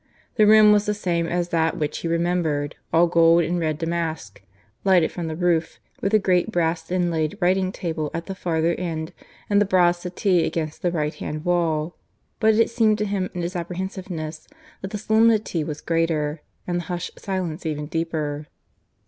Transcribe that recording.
The room was the same as that which he remembered, all gold and red damask, lighted from the roof, with the great brass inlaid writing table at the farther end, and the broad settee against the right hand wall, but it seemed to him in his apprehensiveness that the solemnity was greater and the hushed silence even deeper.